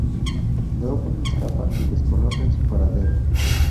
Drogon escapa y desconocen su paradero.